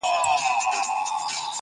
په سپي زوى تل پلار ښکنځلی وي.